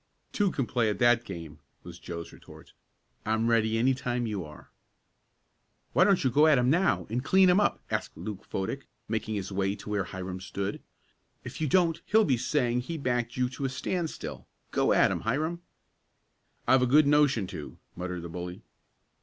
"Two can play at that game," was Joe's retort. "I'm ready any time you are." "Why don't you go at him now, and clean him up?" asked Luke Fodick, making his way to where Hiram stood. "If you don't he'll be saying he backed you to a standstill. Go at him, Hiram." "I've a good notion to," muttered the bully.